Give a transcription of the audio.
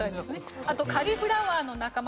あとカリフラワーの仲間